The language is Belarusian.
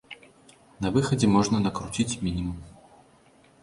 На выхадзе можна накруціць мінімум.